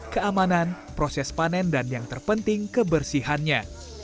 keamanan proses panen dan yang terpenting kebersihannya